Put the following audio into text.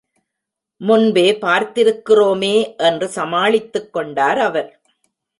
முன்பே பார்த்திருக்கிறோமே என்று சமாளித்துக் கொண்டார் அவர்.